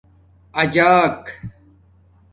اجݳک